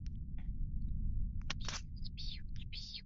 披针叶萼距花为千屈菜科萼距花属下的一个种。